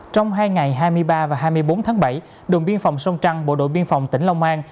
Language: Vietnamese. trong hai ngày hai mươi ba và hai mươi bốn tháng bảy đồn biên phòng sông trăng bộ đội biên phòng tỉnh long an